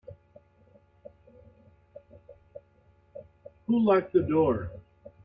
Who locked the door?